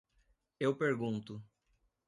Eu pergunto.